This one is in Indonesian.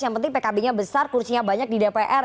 yang penting pkb nya besar kursinya banyak di dpr